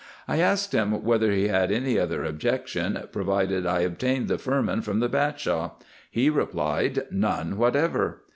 I asked him, whether he had any other objection, provided I obtained the firman from the Bashaw ; he replied, " none whatever."